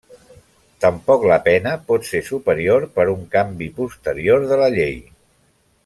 Tampoc la pena pot ser superior per un canvi posterior de la llei.